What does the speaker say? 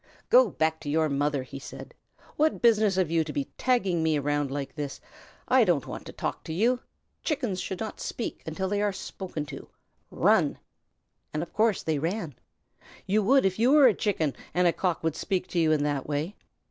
"Go back to your mother," he said. "What business have you to be tagging me around like this? I don't want to talk to you. Chickens should not speak until they are spoken to. Run!" Of course they ran. You would if you were a Chicken and a Cock should speak to you in that way.